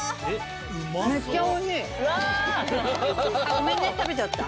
ごめんね食べちゃった。